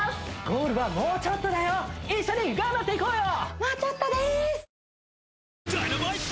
ゴールはもうちょっとだよ一緒に頑張っていこうよ！